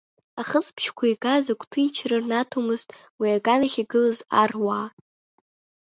Ахысбыжьқәа игаз агәҭынчра рнаҭомызт уи аган ахь игылаз аруаа.